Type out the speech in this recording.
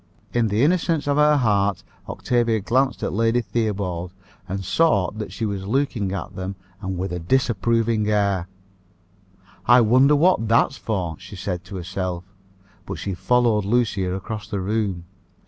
In the innocence of her heart Octavia glanced at Lady Theobald, and saw that she was looking at them, and with a disapproving air. "I wonder what that's for?" she said to herself; but she followed Lucia across the room.